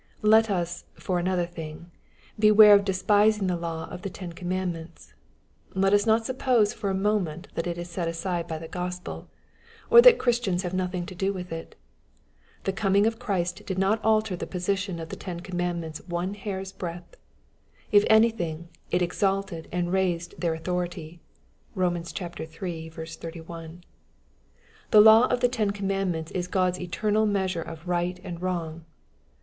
Let us, for another thing, beware of despising the law of ihe Ten Commandments. Let us not suppose for a moment that it is set aside by the Gospel, or that Christians have nothing to do with it. The coming of Christ did not alter the position of the Ten Command ments one hair's breadth. If anything, it exalted and raised their authority. (Rom. iii. 31.) The law of the Ten Commandments is God's eternal measure of right and wrong.